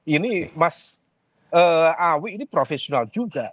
ini mas awi ini profesional juga